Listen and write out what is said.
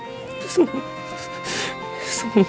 そそんな。